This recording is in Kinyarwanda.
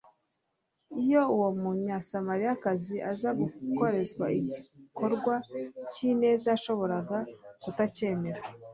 Iyo uwo Munyasamariyakazi aza gukorerwa igikorwa cy’ineza yashoboraga kutacyemera;